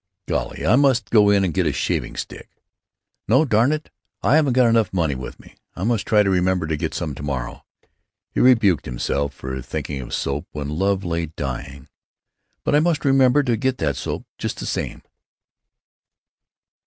"Golly! I must go in and get a shaving stick. No, darn it! I haven't got enough money with me. I must try to remember to get some to morrow." He rebuked himself for thinking of soap when love lay dying. "But I must remember to get that soap, just the same!"